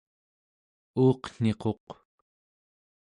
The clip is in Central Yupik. uuqniquq